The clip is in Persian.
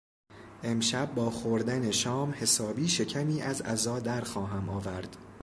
امشب با خوردن شام حسابی شکمی از عزا درخواهم آورد.